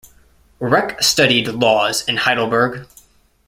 Rech studied laws in Heidelberg.